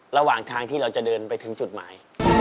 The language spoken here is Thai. ระหว่างทางที่เราจะเดินไปถึงจุดหมาย